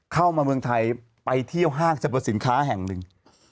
เข้ามาเมืองไทยไปเที่ยวห้างสรรพสินค้าแห่งหนึ่ง